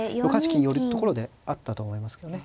金寄ところであったと思いますけどね。